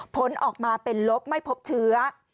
ผลออกมาเป็นลบไม่พบเชื้อ